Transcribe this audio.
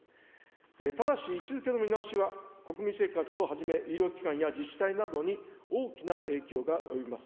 ただし位置づけの見直しは国民生活をはじめ、医療機関や自治体などに大きな影響が及びます。